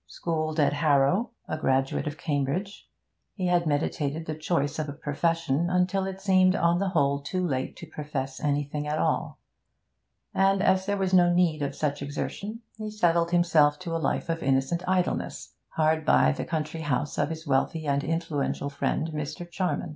Schooled at Harrow, a graduate of Cambridge, he had meditated the choice of a profession until it seemed, on the whole, too late to profess anything at all; and, as there was no need of such exertion, he settled himself to a life of innocent idleness, hard by the country house of his wealthy and influential friend, Mr. Charman.